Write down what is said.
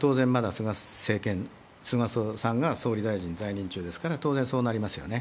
菅政権、菅さんが総理大臣在任中ですから、当然そうなりますよね。